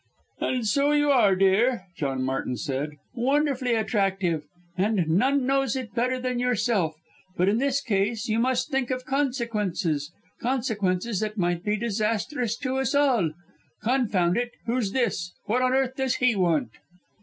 "And so you are, dear!" John Martin said. "Wonderfully attractive! and none knows it better than yourself. But in this case you must think of consequences consequences that might be disastrous to us all! Confound it all, who's this? What on earth does he want?"